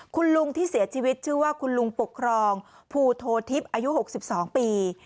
คุณลุงที่เสียชีวิตชื่อว่าคุณลุงปกครองภูโททิพย์อายุ๖๒ปี